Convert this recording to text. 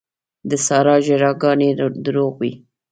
د سارا ژړاګانې دروغ وې.